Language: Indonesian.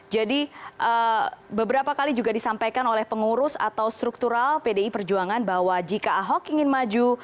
jadi beberapa kali juga disampaikan oleh pengurus atau struktural pdi perjuangan bahwa jika ahok ingin maju